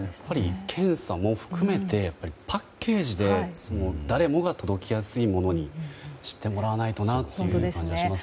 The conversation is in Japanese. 検査も含めてパッケージで誰もが届きやすいものにしてもらわないとなと思います。